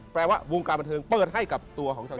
แปลว่าวงการบันเทิงเปิดให้กับตัวของชาว